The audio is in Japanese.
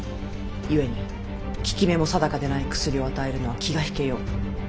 ゆえに効き目も定かでない薬を与えるのは気が引けよう。